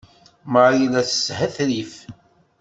Marie la teshetrif!